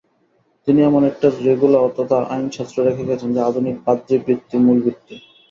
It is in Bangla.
তিনি এমন একটি রেগুলা তথা আইনশাস্ত্র রেখে গেছেন যা আধুনিক পাদ্রিবৃত্তির মূলভিত্তি।